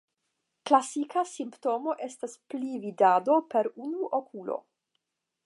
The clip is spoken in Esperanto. Klasika simptomo estas pli-vidado per unu okulo.